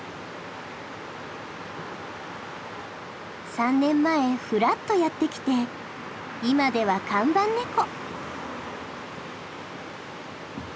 ３年前ふらっとやって来て今では看板ネコ。